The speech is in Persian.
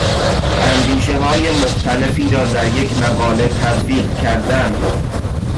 اندیشههای مختلفی را در یک مقاله تلفیق کردن